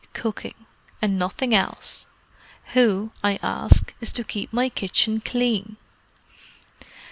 Cooking. And nothing else. Who, I ask, is to keep my kitchen clean?"